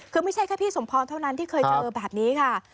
คือไม่ใช่แค่พี่สมพรเท่านั้นที่เคยเจอแบบนี้ค่ะ